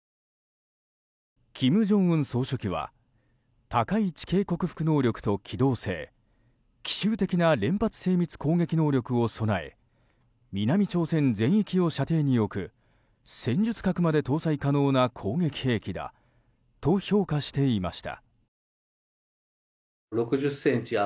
金正恩総書記は高い地形克服能力と機動性奇襲的な連発精密攻撃能力を備え南朝鮮全域を射程に置く戦術核まで搭載可能な攻撃兵器だと評価していました。